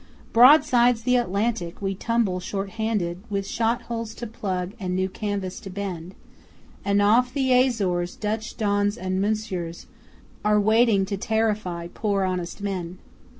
Broadsides the Atlantic We tumble short handed, With shot holes to plug and new canvas to bend, And off the Azores, Dutch, Dons and Monsieurs Are waiting to terrify poor honest men!